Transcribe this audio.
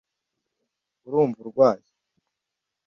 urumva urwaye